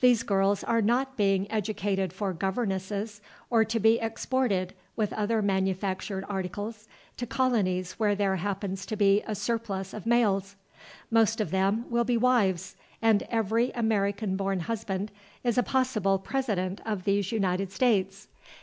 These girls are not being educated for governesses, or to be exported, with other manufactured articles, to colonies where there happens to be a surplus of males. Most of them will be wives, and every American born husband is a possible President of these United States.